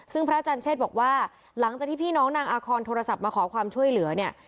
ซึ่งพระอาจารย์เชษบอกว่าหลังจากที่พี่น้องนางอาคอนโทรศัพท์มาขอความช่วยเหลือเนี่ย